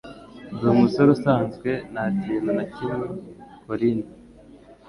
Ndi umusore usanzwe ntakintu nakimwe. (kolin)